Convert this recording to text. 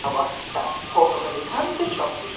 که واک غواړی بايد په سياسي مبارزه کي برخه واخلئ.